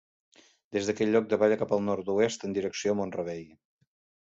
Des d'aquell lloc davalla cap al nord-oest, en direcció a Mont-rebei.